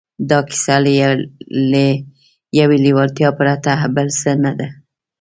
دا کیسه له یوې لېوالتیا پرته بل څه نه ده